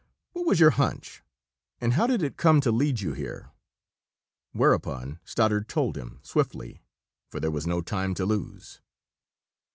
"What was your hunch, and how did it come to lead you here?" Whereupon Stoddard told him, swiftly, for there was no time to lose.